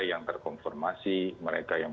yang terkonformasi mereka yang